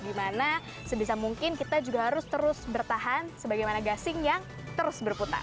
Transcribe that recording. dimana sebisa mungkin kita juga harus terus bertahan sebagaimana gasing yang terus berputar